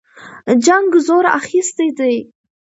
جنګ زور اخیستی دی.